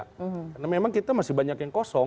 karena memang kita masih banyak yang kosong